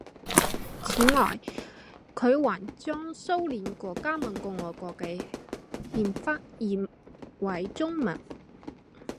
此外他还将苏联各加盟共和国的宪法译为中文。